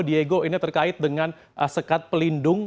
diego ini terkait dengan sekat pelindung